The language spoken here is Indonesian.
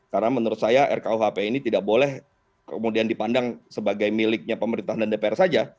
karena menurut saya rkuhp ini tidak boleh kemudian dipandang sebagai miliknya pemerintah dan dpr saja